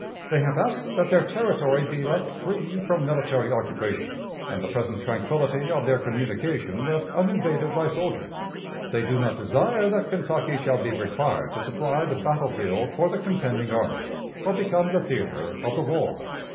They have asked that their territory be left free from military occupation, and the present tranquillity of their communication left uninvaded by soldiers. They do not desire that Kentucky shall be required to supply the battle field for the contending armies, or become the theatre of the war.